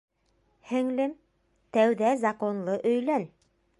Һеңлем, тәүҙә законлы өйлән!